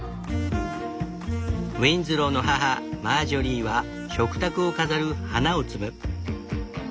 ウィンズローの母マージョリーは食卓を飾る花を摘む。